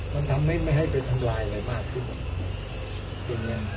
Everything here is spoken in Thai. มันทำให้ไม่ให้ไปทำลายอะไรมากขึ้นเป็นอย่างนั้น